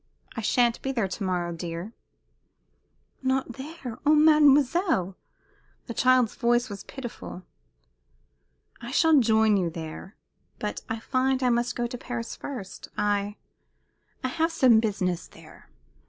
"I sha'n't be there to morrow, dear." "Not there! Oh, mademoiselle!" The child's voice was pitiful. "I shall join you there. But I find I must go to Paris first. I I have some business there."